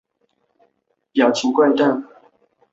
可升级成为金将。